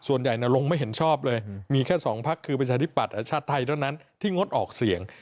นรงค์ไม่เห็นชอบเลยมีแค่๒พักคือประชาธิปัตย์ชาติไทยเท่านั้นที่งดออกเสียง